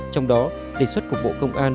trong đó đề xuất của bộ công an